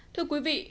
thưa quý vị